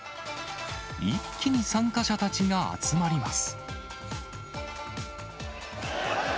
一気に参加者たちが集まります。